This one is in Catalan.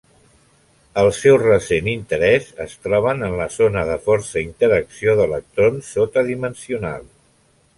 El seu recent interès es troben en la zona de forta interacció d'electrons sota dimensional.